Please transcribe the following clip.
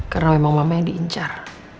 karena memang mama yang diincar